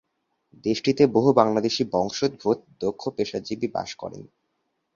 দেশটিতে বহু বাংলাদেশি বংশোদ্ভূত দক্ষ পেশাজীবী বাস করেন।